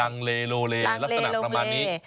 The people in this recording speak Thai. ลังเลโลเลลักษณะประมาณนี้